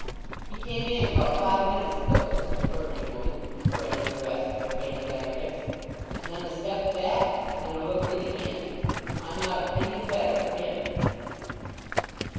"He came in about five minutes ago," said the furmity woman, joining the rest with her hands on her hips. "And then 'a stepped back, and then 'a looked in again. I'm not a penny the better for him."